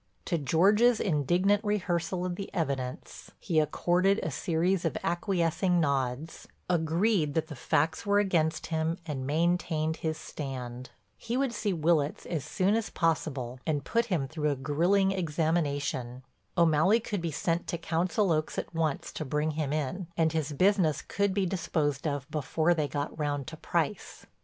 To George's indignant rehearsal of the evidence, he accorded a series of acquiescing nods, agreed that the facts were against him and maintained his stand. He would see Willitts as soon as possible and put him through a grilling examination. O'Malley could be sent to Council Oaks at once to bring him in, and his business could be disposed of before they got round to Price.